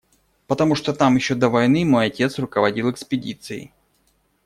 Потому что там еще до войны мой отец руководил экспедицией.